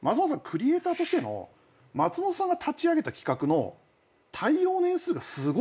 クリエイターとしての松本さんが立ち上げた企画の対応年数がすごい長いんすよ。